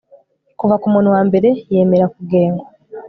Kuva umuntu wa mbere yemera kugengwa